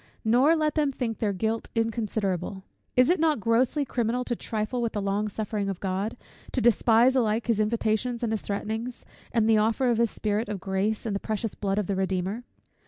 Nor let them think their guilt inconsiderable. Is it not grossly criminal to trifle with the long suffering of God, to despise alike his invitations and his threatenings, and the offer of his Spirit of grace, and the precious blood of the Redeemer?